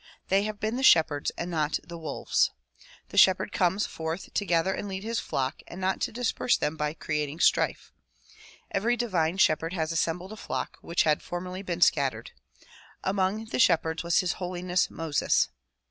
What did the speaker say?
They have been the shepherds and not the wolves. The shepherd comes forth to gather and lead his flock and not to disperse them by creating strife. Every divine shepherd has assembled a flock which had formerly been scattered. Among the shepherds was His Holiness Moses.